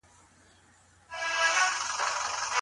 روح مې هیڅکله ارام نه موند.